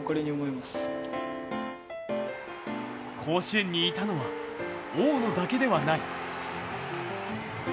甲子園にいたのは大野だけではない。